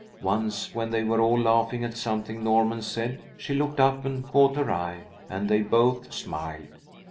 Once when they were all laughing at something Norman said, she looked up and caught her eye, and they both smiled.